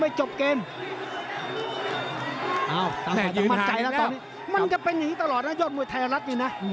มันจะเป็นอย่างนี้ตลอดนะยอดมวยไทยรัฐนี่นะ